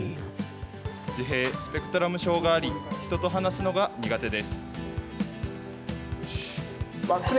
自閉スペクトラム症があり、人と話すのが苦手です。